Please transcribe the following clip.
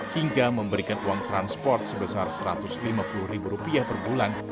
hingga memberikan uang transport sebesar satu ratus lima puluh ribu rupiah per bulan